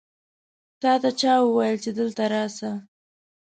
تا ته چا وویل چې دلته راسه؟